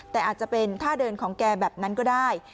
แต่อาจจะเป็นท่าเดินของแกแบบนั้นก็ได้